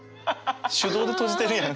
手動で閉じてるやん。